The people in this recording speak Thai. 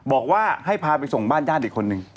บอกว่าให้พาไปส่งบ้านญาติอีกคนนึง